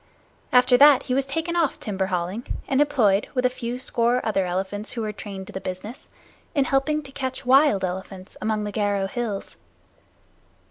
After that he was taken off timber hauling, and employed, with a few score other elephants who were trained to the business, in helping to catch wild elephants among the Garo hills.